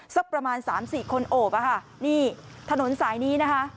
สักประมาณสามสี่คนโอบอะค่ะนี่ถนนสายนี้นะคะ